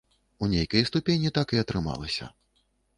У нейкай ступені так і атрымалася.